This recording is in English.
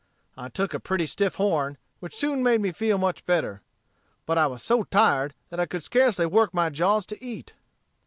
I took a pretty stiff horn, which soon made me feel much better. But I was so tired that I could scarcely work my jaws to eat."